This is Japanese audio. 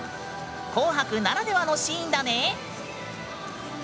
「紅白」ならではのシーンだね。